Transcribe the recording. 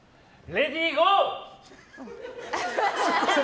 レディーゴー！